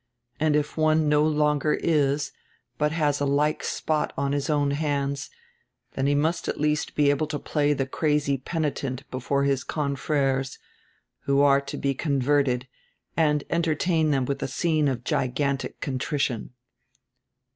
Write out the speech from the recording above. And if one no longer is, but has a like spot on his own hands, then he must at least be able to play the crazy penitent before his confreres, who are to be con verted, and entertain them with a scene of gigantic contrition."